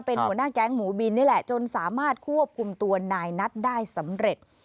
เป็นหัวหน้าแก๊งหมูบินนี่แหละจนสามารถควบคุมตัวนายนัทได้สำเร็จ